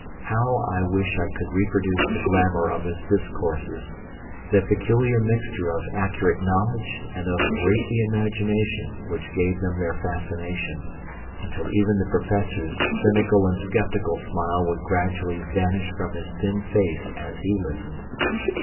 How I wish I could reproduce the glamour of his discourses, the peculiar mixture of accurate knowledge and of racy imagination which gave them their fascination, until even the Professor's cynical and sceptical smile would gradually vanish from his thin face as he listened.